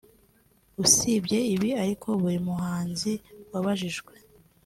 usibye ibi ariko buri muhanzi wabajijwe